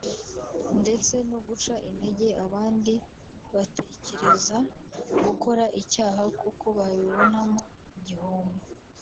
ndetse no guca intege abandi batekereza gukora icyaha kuko babibonamo igihombo